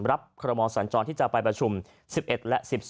คอรมอสัญจรที่จะไปประชุม๑๑และ๑๒